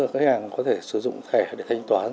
và có thể linh hoạt trong việc sử dụng thẻ để thanh toán